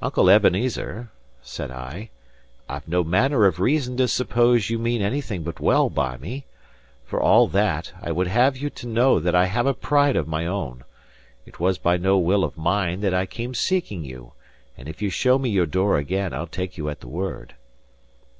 "Uncle Ebenezer," said I, "I've no manner of reason to suppose you mean anything but well by me. For all that, I would have you to know that I have a pride of my own. It was by no will of mine that I came seeking you; and if you show me your door again, I'll take you at the word."